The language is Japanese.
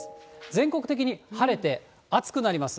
全国的に晴れて暑くなります。